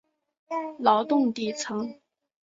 劳动底层